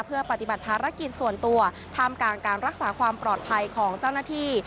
เพื่อปฏิบัติภารกิจส่วนตัวท่ามกลางการรักษาความปลอดภัยของเจ้าหน้าที่